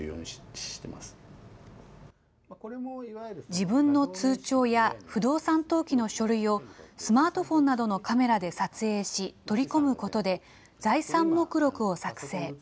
自分の通帳や不動産登記の書類をスマートフォンなどのカメラで撮影し、取り込むことで、財産目録を作成。